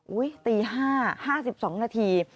อุ๊ยตี๕๕๒นาที